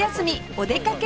お出かけ